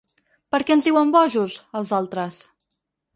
Per què ens diuen bojos, els altres?